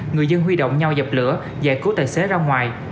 người dân huy động nhau dập lửa giải cứu tài xế ra ngoài